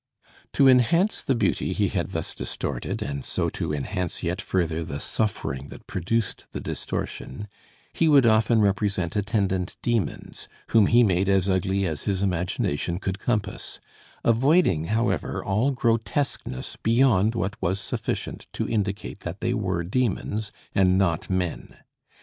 To enhance the beauty he had thus distorted, and so to enhance yet further the suffering that produced the distortion, he would often represent attendant demons, whom he made as ugly as his imagination could compass; avoiding, however, all grotesqueness beyond what was sufficient to indicate that they were demons, and not men.